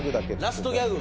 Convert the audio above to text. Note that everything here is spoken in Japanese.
ラストギャグ。